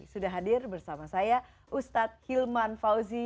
sudah hadir bersama saya ustadz hilman fauzi